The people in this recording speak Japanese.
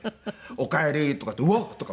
「おかえり」とかって「うわっ！」とか。